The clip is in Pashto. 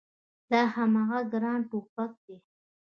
دا هماغه ګران ټوپګ دی